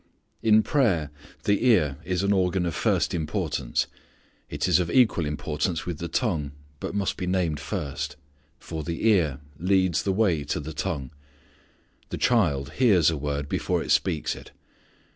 In prayer the ear is an organ of first importance. It is of equal importance with the tongue, but must be named first. For the ear leads the way to the tongue. The child hears a word before it speaks it.